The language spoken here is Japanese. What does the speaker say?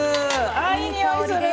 あいい匂いする！